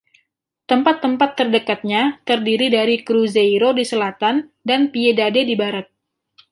Tempat-tempat terdekatnya terdiri dari Cruzeiro di selatan dan Piedade di barat.